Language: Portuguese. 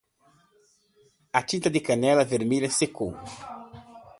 A tinta da caneta vermelha secou.